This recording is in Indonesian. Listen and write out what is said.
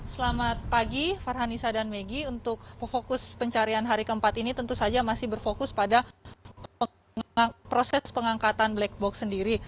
selamat pagi farhanisa dan megi untuk fokus pencarian hari keempat ini tentu saja masih berfokus pada proses pengangkatan black box sendiri